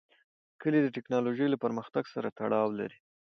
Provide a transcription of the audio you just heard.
کلي د تکنالوژۍ له پرمختګ سره تړاو لري.